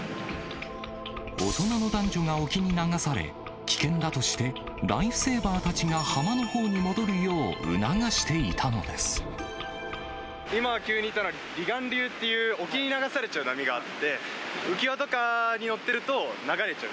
大人の男女が沖に流され危険だとして、ライフセーバーたちが浜のほうに戻るよう、促していた今、急に行ったのは、離岸流っていう、沖に流されちゃう波があって、浮き輪とかに乗ってると、流れちゃう。